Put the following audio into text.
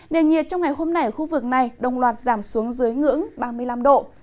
nền nhiệt trong ngày hôm nay ở khu vực này đồng loạt giảm xuống dưới ngưỡng ba mươi năm độ